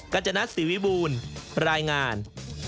กัจจนัดสิวิบูลรายงาน